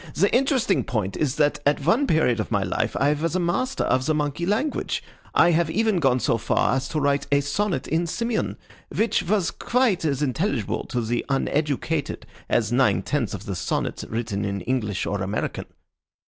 The interesting point is that at one period of my life I was a master of the monkey language. I have even gone so far as to write a sonnet in Simian, which was quite as intelligible to the uneducated as nine tenths of the sonnets written in English or American."